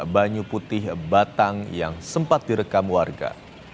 banyu putih batang yang sempat direkam warga